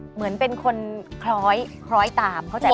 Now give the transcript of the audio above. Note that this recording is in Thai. เหมือนเป็นคนคล้อยคล้อยตามเข้าใจ